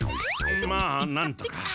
まあなんとか。